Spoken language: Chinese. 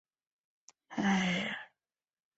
布吕尼沃当库尔。